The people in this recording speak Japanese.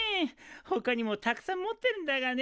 ほかにもたくさん持ってるんだがね。